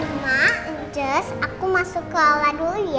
uma njes aku masuk ke aula dulu ya